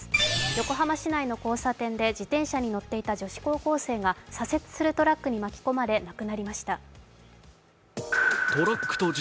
横浜市内の交差点で自転車に乗っていた女子高生が左折するトラックに巻き込まれ亡くなりました。